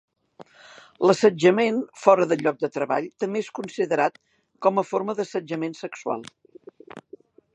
L'assetjament fora del lloc de treball també és considerat com a forma d'assetjament sexual.